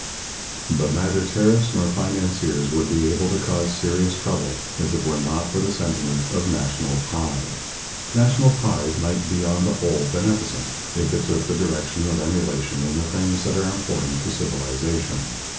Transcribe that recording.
But neither tariffs nor financiers would be able to cause serious trouble, if it were not for the sentiment of national pride. National pride might be on the whole beneficent, if it took the direction of emulation in the things that are important to civilization.